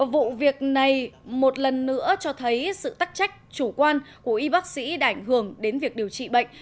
vụ việc này một lần nữa cho thấy sự tắc trách chủ quan của y bác sĩ đã ảnh hưởng đến việc điều trị bệnh